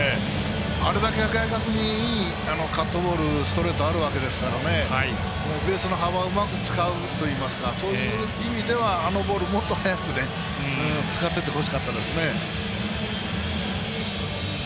あれだけ正確にいいカットボール、ストレートあるわけですからベースの幅をうまく使うといいますかそういう意味ではあのボール、もっと早く使ってほしかったですね。